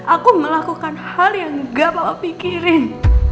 aku melakukan hal yang gak bawa pikirin